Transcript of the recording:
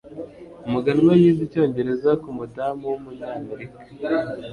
umuganwa yize icyongereza kumudamu wumunyamerika